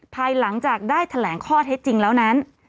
ภายหลังจากได้แถลงข้อเท็จจริงแล้วนั้น